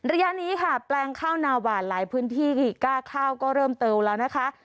ระยะนี้ค่ะแปลงข้าวนาหวานหลายพื้นที่ก้าข้าวก็เริ่มเติมแล้วนะคะ